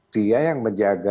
dia yang menjaga